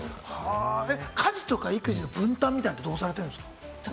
家事とか育児の分担みたいなのはどうされてますか？